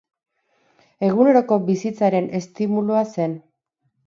Eguneroko bizitzaren estimulua zen.